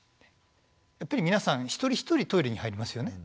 やっぱり皆さん一人一人トイレに入りますよね。